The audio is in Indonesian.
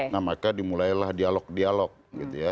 nah maka dimulailah dialog dialog gitu ya